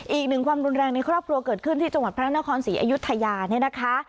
อีกหนึ่งความรุนแรงในครอบครัวเกิดขึ้นที่จังหวัดพระนครศรีอยุธยาเนี่ยนะคะ